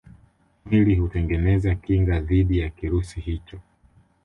Mwili hutengeneza kinga dhidi ya kirusi hicho